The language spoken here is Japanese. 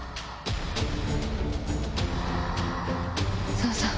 そうそう！